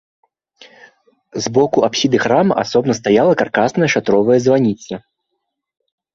З боку апсіды храма асобна стаяла каркасная шатровая званіца.